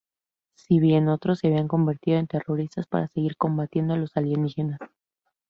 Si bien otros se habían convertido en terroristas para seguir combatiendo a los alienígenas.